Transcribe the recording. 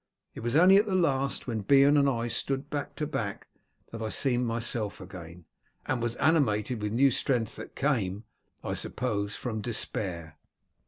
It was only at the last, when Beorn and I stood back to back, that I seemed myself again, and was animated with new strength that came, I suppose, from despair."